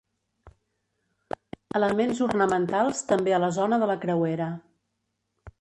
Elements ornamentals també a la zona de la creuera.